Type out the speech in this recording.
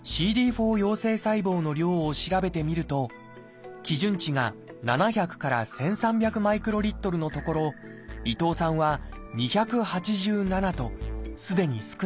４陽性細胞の量を調べてみると基準値が７００から１，３００マイクロリットルのところ伊藤さんは２８７とすでに少なくなっていました。